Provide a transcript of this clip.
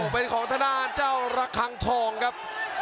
เป็นของทนาเจ้ารกทางทองครับ